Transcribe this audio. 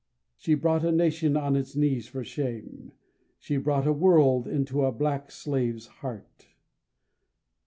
She brought a Nation on its knees for shame, She brought a world into a black slave's heart.